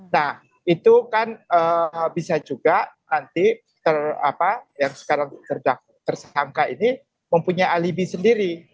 nah itu kan bisa juga nanti yang sekarang tersangka ini mempunyai alibi sendiri